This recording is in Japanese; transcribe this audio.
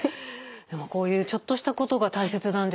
こういうちょっとしたことが大切なんですね。